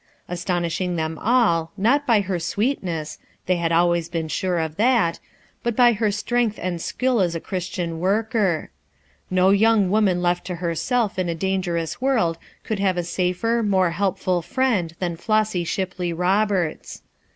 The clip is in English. astonishing them all, not by her sweetness, — they had always been sure or that, — but by her strength and skill as a Chris tian worker. No young woman left to herself in a dangerous world could have a safer, more helpful friend than Flossy Shipley Roberts.